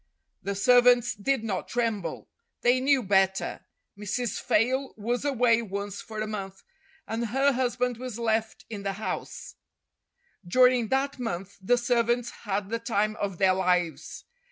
The servants did not tremble. They knew better. Mrs. Fayle was away once for a month, and her husband 269 270 STORIES WITHOUT TEARS was left in the house. During that month the servants had the time of their lives.